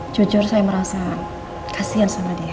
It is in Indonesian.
jujur saya merasa kasihan sama dia